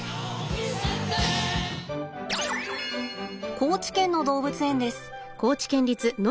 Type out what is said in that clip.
高知県の動物園です。